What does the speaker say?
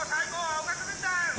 青学軍団！